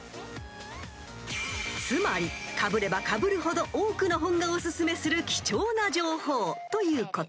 ［つまりかぶればかぶるほど多くの本がおすすめする貴重な情報ということ］